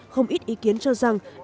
không ít ý kiến cho rằng đây là nước cờ